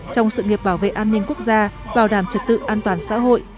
trong sự nghiệp bảo vệ an ninh quốc gia bảo đảm trật tự an toàn xã hội